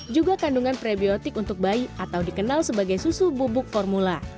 juga kandungan prebiotik untuk bayi atau dikenal sebagai susu bubuk formula